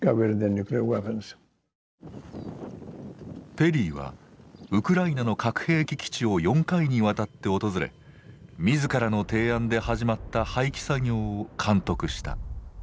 ペリーはウクライナの核兵器基地を４回にわたって訪れ自らの提案で始まった廃棄作業を監督した。